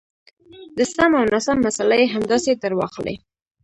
د سم او ناسم مساله یې همداسې درواخلئ.